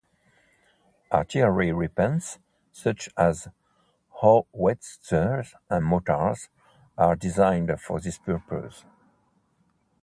Artillery weapons such as howitzers and mortars are designed for this purpose.